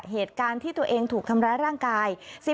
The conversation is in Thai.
เหตุการณ์ที่ตัวเองถูกทำร้ายร่างกาย